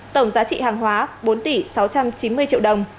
tổng giá trị hàng hóa bốn tỷ sáu trăm chín mươi triệu đồng